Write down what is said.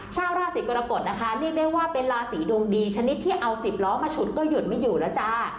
ชาวราศีกรกฎนะคะเรียกได้ว่าเป็นราศีดวงดีชนิดที่เอา๑๐ล้อมาฉุดก็หยุดไม่อยู่แล้วจ้า